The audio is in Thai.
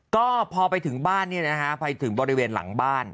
ก็พอไปถึงบ้านไปถึงบริเวณหลังบ้าน